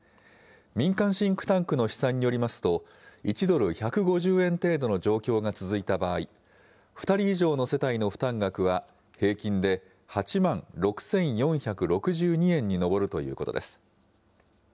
民間シンクタンクの試算によりますと、１ドル１５０円程度の状況が続いた場合、２人以上の世帯の負担額は、平均で８万６４６２円に上るということです。